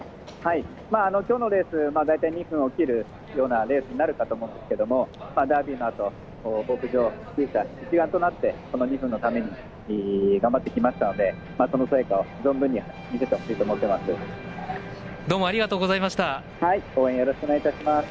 今日のレース大体２分を切るようなレースになるかと思うんですけどダービーのあと、牧場きゅう舎、一丸となってこの２頭のために頑張ってきましたのでその成果を存分に見せていただきたいと思います。